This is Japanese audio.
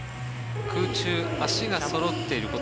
空中足がそろっていること。